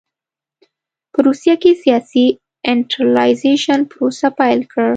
په روسیه کې سیاسي سنټرالایزېشن پروسه پیل کړ.